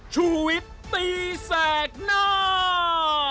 ชุวิตตีแสงหน้า